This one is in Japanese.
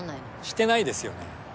してないですよね